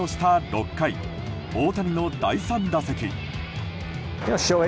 ６回大谷の第３打席。